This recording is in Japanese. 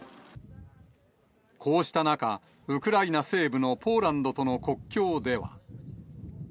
こうした中、ウクライナ西部のポーランドとの国境では。